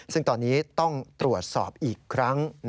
ซึ่งตอนนี้ต้องตรวจสอบอีกครั้ง